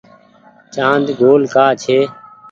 چآند گول ڪآ ڇي۔